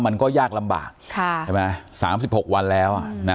มันก็ยากลำบาก๓๖วันแล้ว